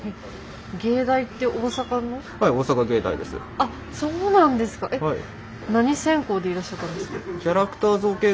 あっそうなんですか。